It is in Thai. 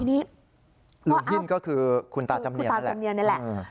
เออลุงฮิ่นก็คือคุณตาจำเนียนนี่แหละคุณตาจำเนียนนี่แหละ